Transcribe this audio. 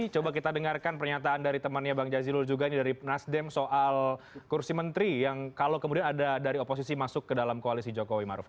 coba kita dengarkan pernyataan dari temannya bang jazilul juga ini dari nasdem soal kursi menteri yang kalau kemudian ada dari oposisi masuk ke dalam koalisi jokowi maruf